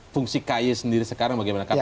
fungsi kay sendiri sekarang bagaimana kpk